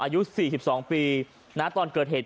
อายุ๔๒ปีตอนเกิดเหตุ